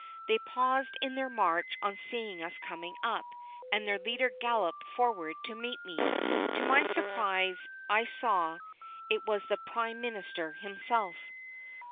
They paused in their march on seeing us coming up, and their leader galloped forward to meet me. To my surprise I saw it was the Prime Minister himself.